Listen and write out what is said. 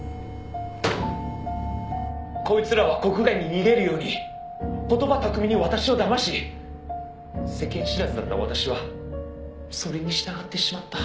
「こいつらは国外に逃げるように言葉巧みに私をだまし世間知らずだった私はそれに従ってしまった」